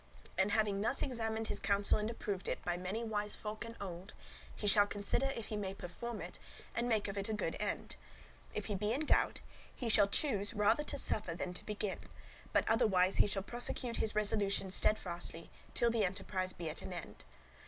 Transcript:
And having thus examined his counsel and approved it by many wise folk and old, he shall consider if he may perform it and make of it a good end; if he be in doubt, he shall choose rather to suffer than to begin; but otherwise he shall prosecute his resolution steadfastly till the enterprise be at an end.